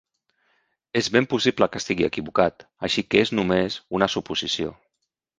És ben possible que estigui equivocat, així que és només una suposició.